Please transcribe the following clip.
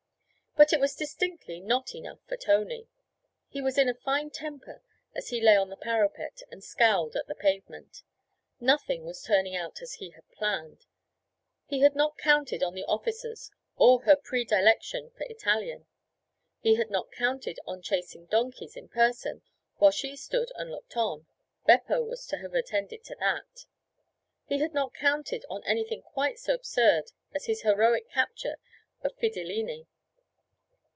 But it was distinctly not enough for Tony. He was in a fine temper as he lay on the parapet and scowled at the pavement. Nothing was turning out as he had planned. He had not counted on the officers or her predilection for Italian. He had not counted on chasing donkeys in person while she stood and looked on Beppo was to have attended to that. He had not counted on anything quite so absurd as his heroic capture of Fidilini.